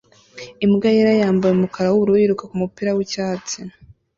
Imbwa yera yambaye umukara wubururu yiruka kumupira wicyatsi